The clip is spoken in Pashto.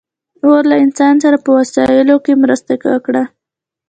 اور له انسانانو سره په وسایلو کې مرسته وکړه.